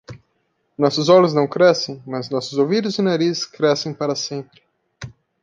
Nossos olhos não crescem?, mas nossos ouvidos e nariz crescem para sempre.